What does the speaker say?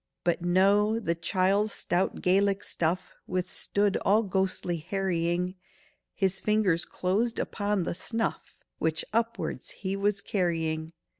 But no—the chiel's stout Gaelic stuff Withstood all ghostly harrying; His fingers closed upon the snuff Which upwards he was carrying.